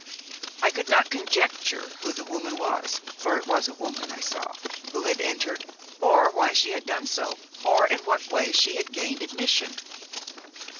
I could not conjecture who the woman was for it was a woman I saw who had entered, or why she had done so, or in what way she had gained admission.